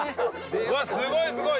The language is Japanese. うわっすごいすごい！